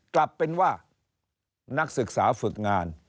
กลับเป็นว่านักศึกษาฝึกงาน